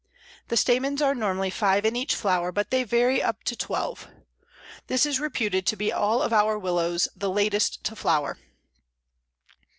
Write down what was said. The stamens are normally five in each flower, but they vary up to twelve. This is reputed to be of all our Willows the latest to flower.